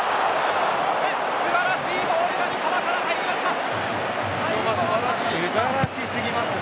素晴らしいボールが三笘から入りました。